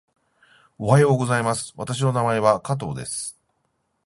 おはようございます。私の名前は加藤です。